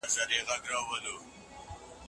بریالیتوب ته رسیدل آسانه دی.